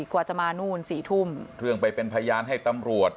กว่าจะมานู่นสี่ทุ่มเรื่องไปเป็นพยานให้ตำรวจ